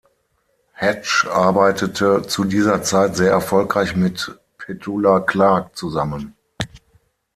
Hatch arbeitete zu dieser Zeit sehr erfolgreich mit Petula Clark zusammen.